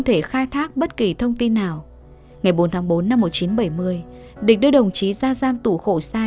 thể khai thác bất kỳ thông tin nào ngày bốn tháng bốn năm một nghìn chín trăm bảy mươi địch đưa đồng chí ra giam tủ khổ sai